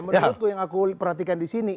menurutku yang aku perhatikan disini